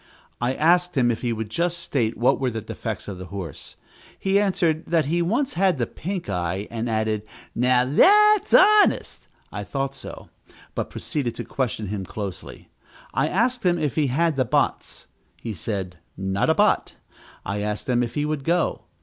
I asked him if he would just state what were the defects of the horse. He answered, that he once had the pink eye, and added, "now that's honest." I thought so, but proceeded to question him closely. I asked him if he had the bots. He said, not a bot. I asked him if he would go.